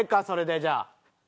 それでじゃあ。